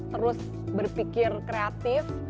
terus berpikir kreatif